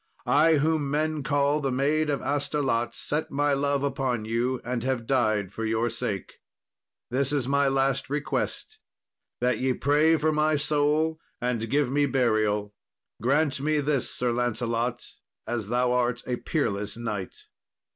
I, whom men call the Maid of Astolat, set my love upon you, and have died for your sake. This is my last request, that ye pray for my soul and give me burial. Grant me this, Sir Lancelot, as thou art a peerless knight."